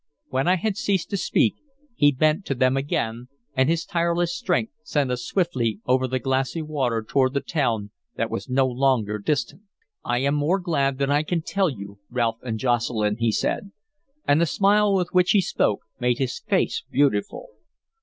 When I had ceased to speak he bent to them again, and his tireless strength sent us swiftly over the glassy water toward the town that was no longer distant. "I am more glad than I can tell you, Ralph and Jocelyn," he said, and the smile with which he spoke made his face beautiful.